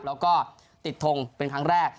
แล้วก็ติดทงเป็นครั้งแรก